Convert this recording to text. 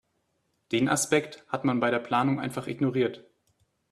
Den Aspekt hat man bei der Planung einfach ignoriert.